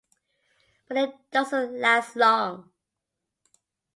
But it doesn't last long.